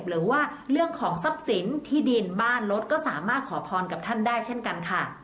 หรือว่าเรื่องของทรัพย์สินที่ดินบ้านรถก็สามารถขอพรกับท่านได้เช่นกันค่ะ